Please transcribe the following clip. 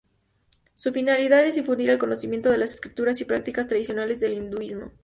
Su finalidad es difundir el conocimiento de las escrituras y prácticas tradicionales del hinduismo.